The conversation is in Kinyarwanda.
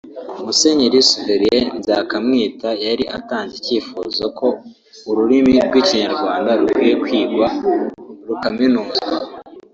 Musenyeri Servelien Nzakamwita yari atanze icyifuzo ko ururimi rw’Ikinyarwanda rukwiye kwigwa rukaminuzwa